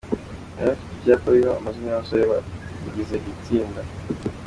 Bari bafite ibyapa biriho amazina y'abasore bagize iri tsinda.